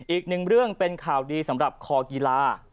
อีกหนึ่งเรื่องเป็นข่าวดีสำหรับคอศาสตร์อีกละ